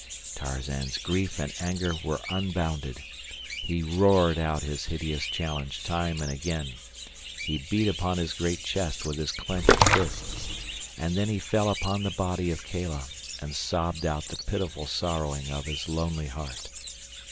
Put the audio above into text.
Tarzan's grief and anger were unbounded. He roared out his hideous challenge time and again. He beat upon his great chest with his clenched fists, and then he fell upon the body of Kala and sobbed out the pitiful sorrowing of his lonely heart.